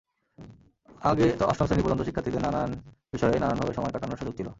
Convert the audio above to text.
আগে অষ্টম শ্রেণি পর্যন্ত শিক্ষার্থীদের নানান বিষয়ে নানানভাবে সময় কাটানোর সুযোগ ছিল।